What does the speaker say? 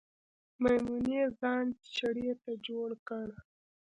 میمونۍ ځان چړې ته جوړ که